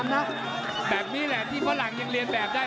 ติ้งขวาจิ้นขวาจิ้นขวาจิ้นขวา